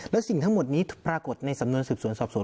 และสิ่งทั้งหมดนี้ปรากฏในสำนวนสืบสวนสอบสวน